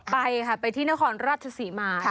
ไปค่ะไปที่นครราชศรีมา